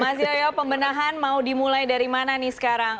mas yoyo pembenahan mau dimulai dari mana nih sekarang